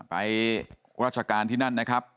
ไปราชการที่นั่นนะครับ